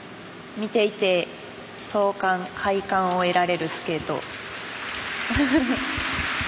みていて爽快快感を得られるスケート。